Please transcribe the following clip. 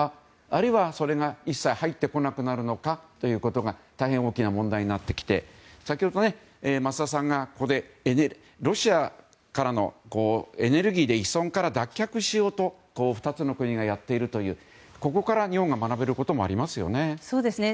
あるいは、それが一切入ってこなくなるのかということが大変大きな問題になってきて先ほど、増田さんがロシアからのエネルギーで依存から脱却しようと２つの国がやっているというここから日本が学べることもありますよね。